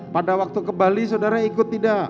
pada waktu ke bali saudara ikut tidak